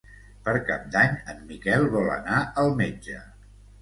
Per Cap d'Any en Miquel vol anar al metge.